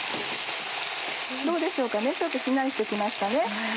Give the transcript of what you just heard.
どうでしょうかちょっとしんなりして来ました。